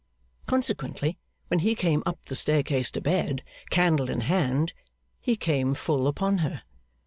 Consequently when he came up the staircase to bed, candle in hand, he came full upon her.